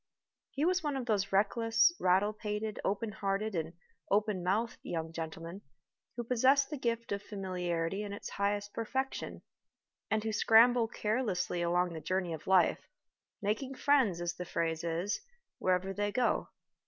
He was one of those reckless, rattle pated, open hearted, and open mouthed young gentlemen who possess the gift of familiarity in its highest perfection, and who scramble carelessly along the journey of life, making friends, as the phrase is, wherever they go.